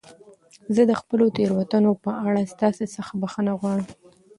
زه د خپلو تېروتنو په اړه ستاسي څخه بخښنه غواړم.